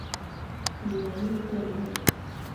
以为妹会理你